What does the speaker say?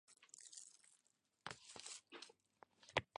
原名维亚特卡来自流经该市的维亚特卡河。